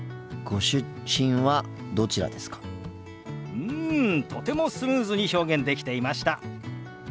うんとてもスムーズに表現できていました。